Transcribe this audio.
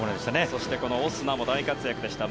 そしてオスナも大活躍でした。